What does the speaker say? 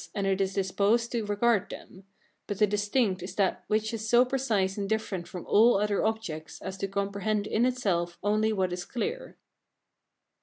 and it is disposed to regard them; but the distinct is that which is so precise and different from all other objects as to comprehend in itself only what is clear.